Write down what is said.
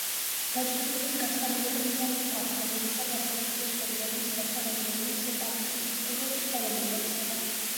დაჯგუფების გაცხადებული მიზანი იყო აფხაზეთისა და სამაჩაბლოს რეგიონების დაცვა რეგიონული სეპარატისტული ელემენტებისგან.